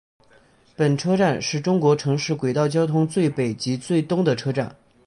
本车站是中国城市轨道交通最北及最东的车站。